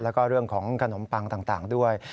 แล้วก็เรื่องของขนมปังต่างด้วย